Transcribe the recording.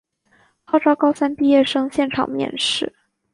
号召高三毕业生现场面试